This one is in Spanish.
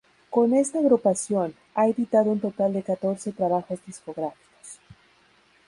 Con esta agrupación, ha editado un total de catorce trabajos discográficos.